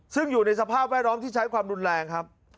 ซึ่งอยู่ในสภาพแวดล้อมที่ใช้ความรุนแรงครับ